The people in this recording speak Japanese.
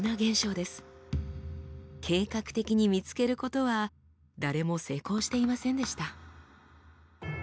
計画的に見つけることは誰も成功していませんでした。